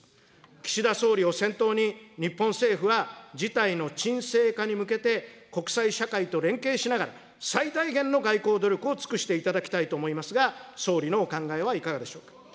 岸田総理を先頭に、日本政府は事態の沈静化に向けて、国際社会と連携しながら、最大限の外交努力を尽くしていただきたいと思いますが、総理のお考えはいかがでしょうか。